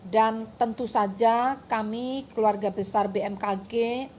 dan tentu saja kami keluarga besar bmkg